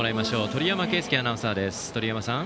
鳥山圭輔アナウンサーです。